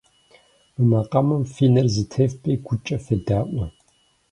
Мы макъамэм фи нэр зэтефпӏи гукӏэ федаӏуэ.